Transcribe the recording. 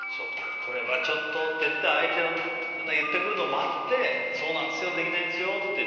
これはちょっとって言って相手が言ってくるのを待って、そうなんですよできないんですよって。